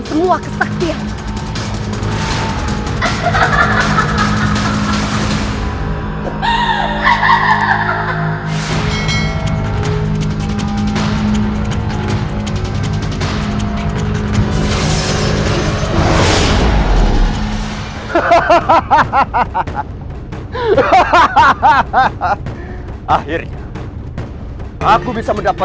terima kasih atas dukungan anda